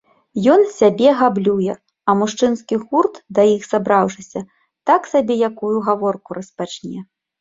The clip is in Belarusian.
Ён сабе габлюе, а мужчынскі гурт, да іх сабраўшыся, так сабе якую гаворку распачне.